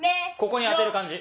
ここに当てる感じ。